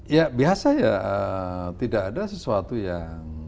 ya biasa ya tidak ada sesuatu yang